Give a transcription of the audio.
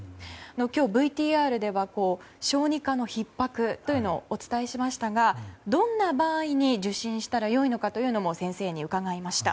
今日、ＶＴＲでは小児科のひっ迫というのをお伝えしましたがどんな場合に受診したら良いのかというのも先生に伺いました。